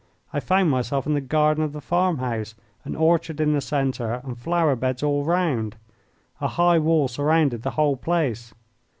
I found myself in the garden of the farm house, an orchard in the centre and flower beds all round. A high wall surrounded the whole place.